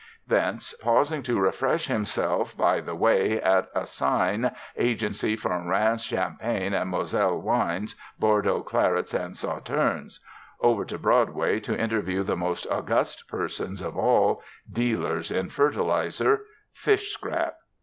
Thence, pausing to refresh himself by the way at a sign "Agency for Reims Champagne and Moselle Wines Bordeaux Clarets and Sauternes," over to Broadway to interview the most august persons of all, dealers in fertiliser, "fish scrap."